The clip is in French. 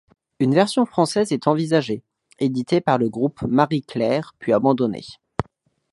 Une version française est envisagée, éditée par le Groupe Marie Claire, puis abandonnée.